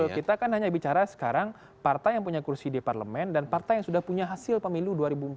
kita kan hanya bicara sekarang partai yang punya kursi di parlemen dan partai yang sudah punya hasil pemilu dua ribu empat belas